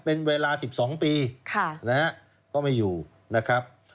เป็นเวลา๑๒ปีนะฮะก็ไม่อยู่นะครับ